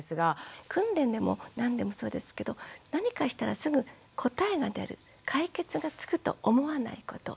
訓練でも何でもそうですけど何かしたらすぐ答えが出る解決がつくと思わないこと。